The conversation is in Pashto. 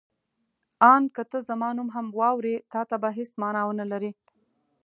آن که ته زما نوم هم واورې تا ته به هېڅ مانا ونه لري.